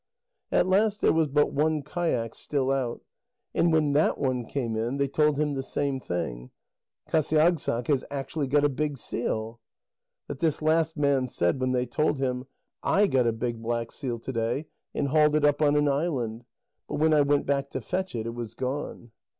At last there was but one kayak still out, and when that one came in, they told him the same thing: "Qasiagssaq has actually got a big seal." But this last man said when they told him: "I got a big black seal to day, and hauled it up on an island. But when I went back to fetch it, it was gone."